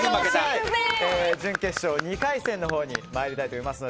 準決勝２回戦のほうに参りたいと思います。